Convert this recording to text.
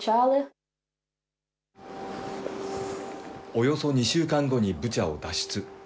およそ２週間後にブチャを脱出。